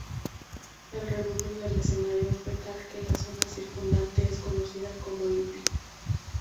El renombre del escenario fue tal que la zona circundante es conocida como Olympic.